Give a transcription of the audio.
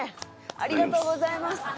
ありがとうございます！」